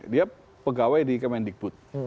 dia pegawai di kemendikbud